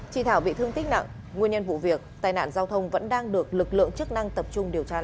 chị thảo bị thương tích nặng nguyên nhân vụ việc tai nạn giao thông vẫn đang được lực lượng chức năng tập trung điều tra làm